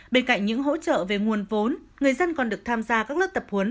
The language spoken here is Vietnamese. bên cạnh những hỗ trợ về nguồn vốn người dân còn được tham gia các lớp tập huấn